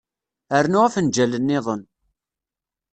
Rnu afenǧal niḍen.